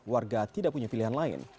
warga tidak punya pilihan lain